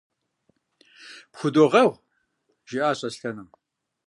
– Пхудогъэгъу, – жиӀащ Аслъэным.